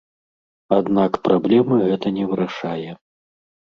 Аднак праблемы гэта не вырашае.